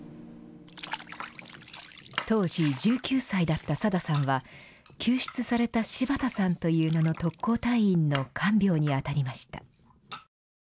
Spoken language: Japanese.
当時１９歳だったサダさんは、救出された柴田さんという名の特攻隊員の看病に当たりました。